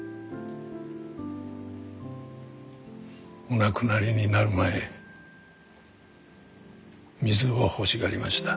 お亡くなりになる前水を欲しがりました。